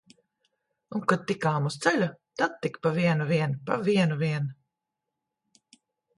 Un kad tikām uz ceļa, tad tik pa vienu vien, pa vienu vien!